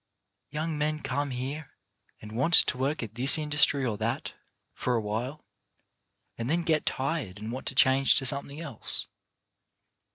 Young men come here and want to work at this industry or that, for a while, and then get tired and want to change to something else.